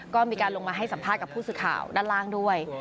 ก็มีการลงมาให้สัมภาษณ์กับผู้สื่อข่าวด้านล่างด้วย